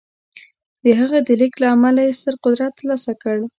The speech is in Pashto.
د هغه د لېږد له امله یې ستر قدرت ترلاسه کړ